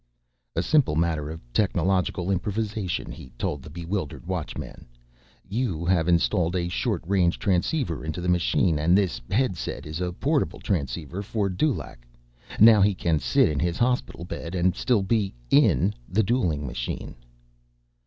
"A simple matter of technological improvisation," he told the bewildered Watchman. "You have installed a short range transceiver into the machine, and this headset is a portable transceiver for Dulaq. Now he can sit in his hospital bed and still be 'in' the dueling machine."